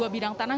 dua bidang tanah